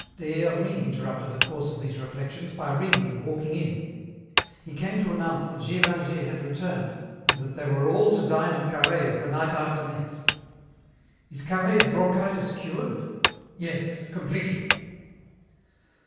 Des Hermies interrupted the course of these reflections by ringing and walking in. He came to announce that Gévingey had returned and that they were all to dine at Carhaix's the night after next. "Is Carhaix's bronchitis cured?" "Yes, completely."